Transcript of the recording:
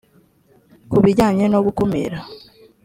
ku bijyanye no gukumira